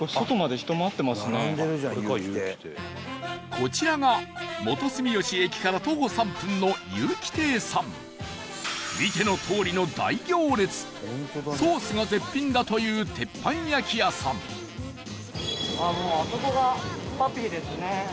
こちらが元住吉駅から徒歩３分のゆうき亭さん見てのとおりの大行列ソースが絶品だという鉄板焼き屋さんスタッフ：あそこがパピーですね。